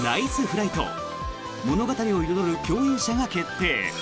物語を彩る共演者が決定！